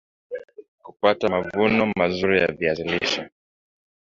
Kupata mavuno mazuri ya viazi lishe